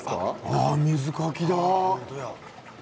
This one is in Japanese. ああ、水かきだ。